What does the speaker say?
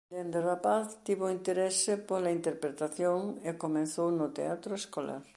Dende rapaz tivo interese pola interpretacións e comezou no teatro escolar.